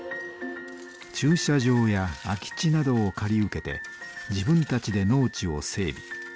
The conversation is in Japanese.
駐車場や空き地などを借り受けて自分たちで農地を整備。